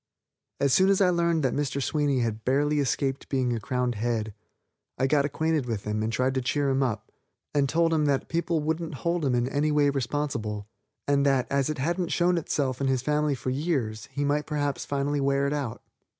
As soon as I learned that Mr. Sweeney had barely escaped being a crowned head, I got acquainted with him and tried to cheer him up, and I told him that people wouldn't hold him in any way responsible, and that, as it hadn't shown itself in his family for years, he might perhaps finally wear it out.